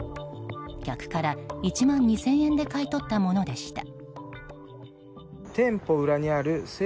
客から１万２０００円で買い取ったものでした。